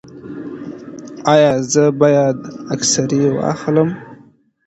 ایا زه باید اکسرې واخلم؟